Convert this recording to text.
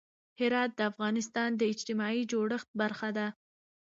هرات د افغانستان د اجتماعي جوړښت برخه ده.